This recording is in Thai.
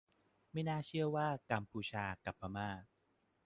ไม่น่าเชื่อว่า กัมพูชา กับพม่า